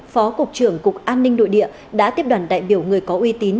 phó cục trưởng cục an ninh nội địa đã tiếp đoàn đại biểu người có uy tín